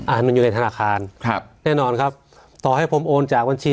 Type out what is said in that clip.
ให้มันอยู่ในธนาคารครับแน่นอนครับต่อให้ผมโอนจากบัญชี